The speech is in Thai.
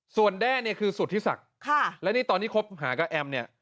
ส่วนแด้เนี่ยคือสุธิศักดิ์และนี่ตอนที่คบหากับแอมเนี่ย